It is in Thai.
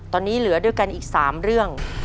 ตอนนี้เหลือด้วยกันอีก๓เรื่อง